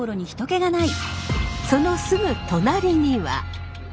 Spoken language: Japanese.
そのすぐ隣には。